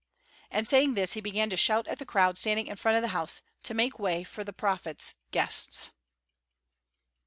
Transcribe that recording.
And saying this he began to shout at the crowd standing in front of the house to make way for the prophet's "guests."